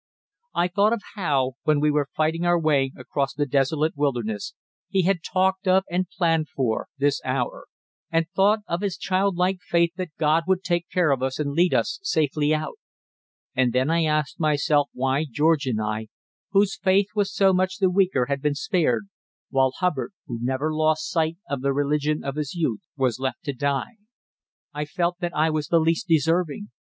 I thought of how, when we were fighting our way across the desolate wilderness, he had talked of, and planned for, this hour; and thought of his childlike faith that God would take care of us and lead us safely out. And then I asked myself why George and I, whose faith was so much the weaker, had been spared, while Hubbard, who never lost sight of the religion of his youth, was left to die. I felt that I was the least deserving.